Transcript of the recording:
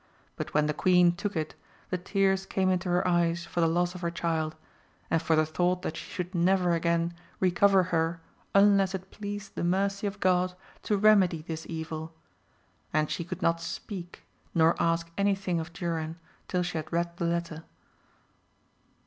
But when the queen took it the tears came into her eyes for the loss of her child, and for the thought that she could never again recover her unless it pleased the mercy of God to remedy this evil, and she could not speak, nor ask any thing of Durin tiU she had read the letter.